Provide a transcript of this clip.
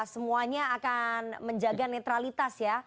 semuanya akan menjaga netralitas ya